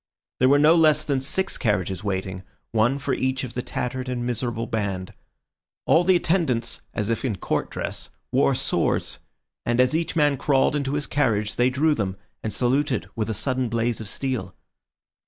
There were no less than six carriages waiting, one for each of the tattered and miserable band. All the attendants (as if in court dress) wore swords, and as each man crawled into his carriage they drew them, and saluted with a sudden blaze of steel.